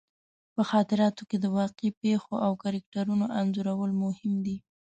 په خاطراتو کې د واقعي پېښو او کرکټرونو انځورول مهم دي.